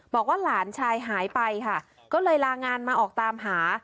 บอกว่าหลานชายหายไปค่ะก็เลยลางานมาออกตามหา